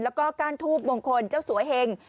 แล้วก็ก้านทูบมงคลเจ้าสัวเหง